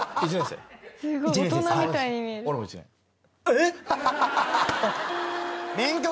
えっ！？